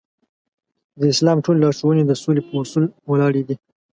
د اسلام ټولې لارښوونې د سولې په اصول ولاړې دي.